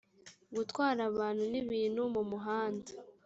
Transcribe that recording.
gutwara abantu n’ ibintu mu muhanda